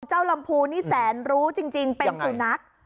ลำพูนี่แสนรู้จริงเป็นสุนัข